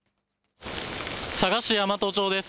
佐賀市大和町です。